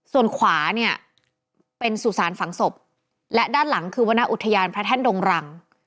ส่วนขวาเนี่ยเป็นสุสานฝังศพและด้านหลังคือวรรณอุทยานพระแท่นดงรัง